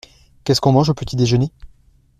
Qu’est-ce qu’on mange au petit-déjeuner ?